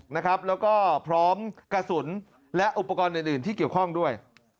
แล้วก็พร้อมกระสุนและอุปกรณ์อื่นที่เกี่ยวข้องด้วย